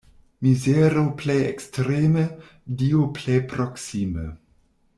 Mizero plej ekstreme, Dio plej proksime.